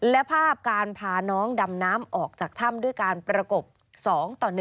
และภาพการพาน้องดำน้ำออกจากถ้ำด้วยการประกบ๒ต่อ๑